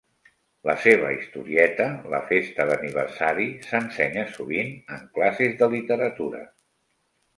La seva historieta "La festa d'aniversari" s'ensenya sovint en classes de literatura.